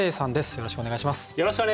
よろしくお願いします！